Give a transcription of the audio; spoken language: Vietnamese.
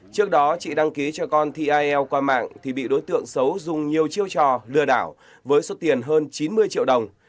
trước đó chị đăng ký cho con til qua mạng thì bị đối tượng xấu dùng nhiều chiêu trò lừa đảo với số tiền hơn chín mươi triệu đồng